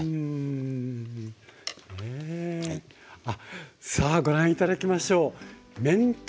あっさあご覧頂きましょう。